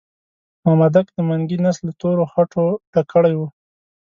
مامدک د منګي نس له تورو خټو ډک کړی وو.